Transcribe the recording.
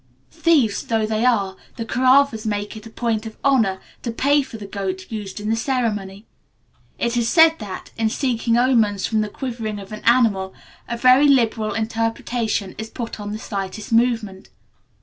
Thieves though they are, the Koravas make it a point of honour to pay for the goat used in the ceremony. It is said that, in seeking omens from the quivering of an animal, a very liberal interpretation is put on the slightest movement.